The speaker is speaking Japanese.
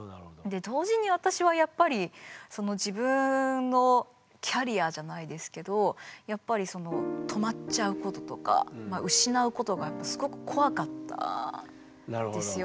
で同時に私はやっぱり自分のキャリアじゃないですけどやっぱりその止まっちゃうこととか失うことがすごく怖かったんですよね。